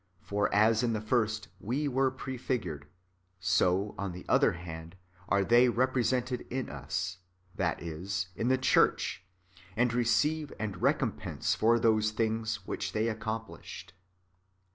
^ For as in the first we were prefigured, so, on the other hand, are they represented in us, that is, in the church, and receive the recompense for those things which they accomplished.